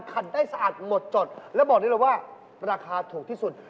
ขัดได้สะอาดหมดจดแล้วบอกได้เลยว่าราคาถูกที่สุด